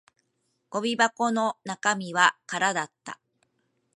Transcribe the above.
ゴミ箱の中身は空だった